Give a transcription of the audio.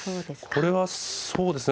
これはそうですね。